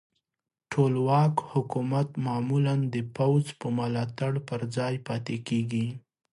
ټولواک حکومت معمولا د پوځ په ملاتړ پر ځای پاتې کیږي.